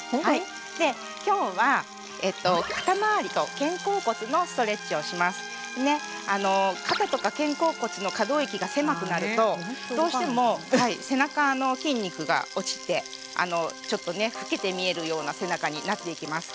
今日は肩とか肩甲骨の可動域が狭くなるとどうしても背中の筋肉が落ちてちょっとね老けて見えるような背中になっていきます。